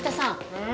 うん？